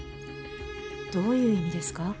どういう意味ですか？